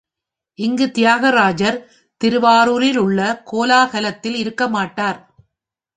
இங்கு தியாகராஜர் திருவாரூரில் உள்ள கோலாகலத்தில் இருக்க மாட்டார்.